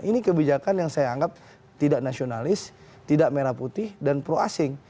ini kebijakan yang saya anggap tidak nasionalis tidak merah putih dan pro asing